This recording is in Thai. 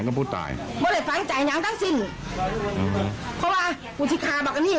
คือยาม่าเบิ๊ดขึ้นไปบ้าง